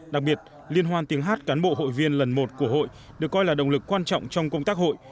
đặc biệt liên hoan tiếng hát cán bộ hội viên lần một của hội được coi là động lực quan trọng trong công tác hội